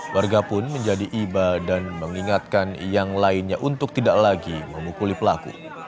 warga pun menjadi iba dan mengingatkan yang lainnya untuk tidak lagi memukuli pelaku